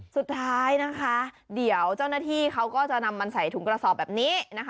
สุดท้ายนะคะเดี๋ยวเจ้าหน้าที่เขาก็จะนำมันใส่ถุงกระสอบแบบนี้นะคะ